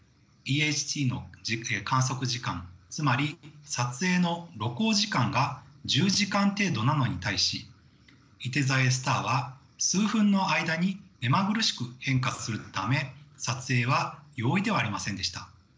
ＥＨＴの観測時間つまり撮影の露光時間が１０時間程度なのに対しいて座Ａスターは数分の間に目まぐるしく変化するため撮影は容易ではありませんでした。